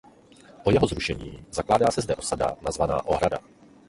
Po jeho zrušení zakládá se zde osada nazvaná Ohrada.